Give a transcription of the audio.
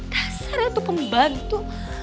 dasarnya tuh pembantu